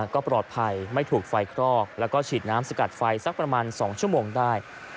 ก็ปลอดภัยไม่ถูกไฟคลอกแล้วก็ฉีดน้ำสกัดไฟสักประมาณ๒ชั่วโมงได้